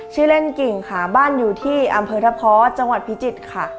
ชื่อเล่นกิ่งค่ะบ้านอยู่ที่อำเภอทะเพาะจังหวัดพิจิตรค่ะ